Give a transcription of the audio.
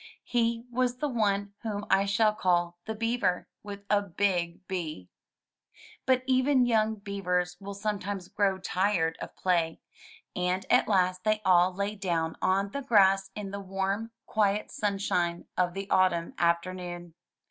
He was the one whom I shall call the Beaver — with a big B. But even young beavers will sometimes grow tired of play, and at last they all lay down on the grass in the warm, quiet sunshine of the autumn afternoon.